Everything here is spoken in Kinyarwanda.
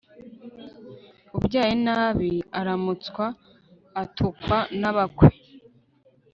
ubyaye nabi aramutswa (atukwa) n'abakwe